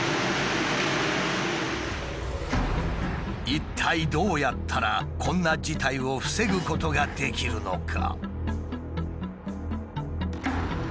一体どうやったらこんな事態を防ぐことができるのか？